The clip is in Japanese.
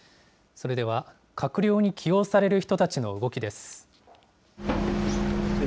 それでは閣僚に起用される人たちの動きです。